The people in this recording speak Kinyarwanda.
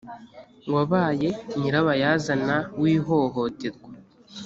wabaye nyirabayazana w ihohoterwa